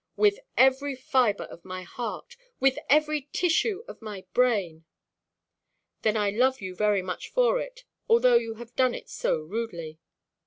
"With every fibre of my heart. With every tissue of my brain." "Then I love you very much for it; although you have done it so rudely."